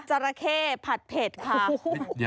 ต้นเจาระเอียทปัดเผ็ดค่ะ